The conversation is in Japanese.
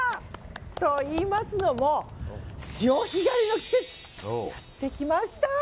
といいますのも、潮干狩りの季節やってきました！